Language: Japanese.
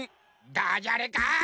ダジャレかい！